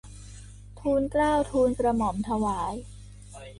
ทูลเกล้าทูลกระหม่อมถวาย